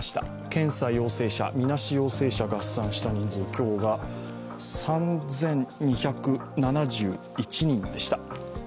検査陽性者・みなし陽性者合算した数字、今日が３２７１人でした。